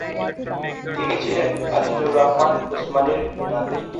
তিনি ছিলেন আজিজুর রহমান উসমানির নাতি।